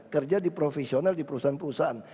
kerja di profesional di perusahaan perusahaan